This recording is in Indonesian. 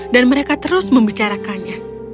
dan mereka terus membicarakannya